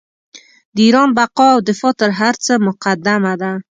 د ایران بقا او دفاع تر هر څه مقدمه ده.